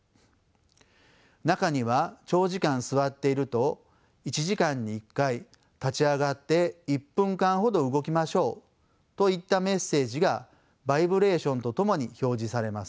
中には長時間座っていると１時間に１回「立ち上がって１分間ほど動きましょう」といったメッセージがバイブレーションとともに表示されます。